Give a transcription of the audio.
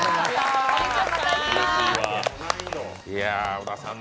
小田さん